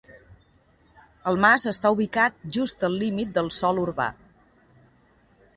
El mas està ubicat just al límit del sòl urbà.